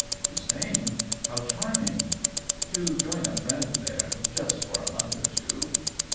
" To Spain ? How charming !"" To join a friend there — just for a month or two.''